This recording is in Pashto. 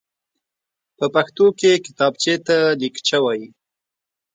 په پښتو کې کتابچېته ليکچه وايي.